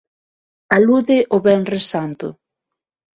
Alude ao Venres Santo.